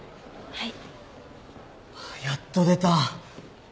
はい。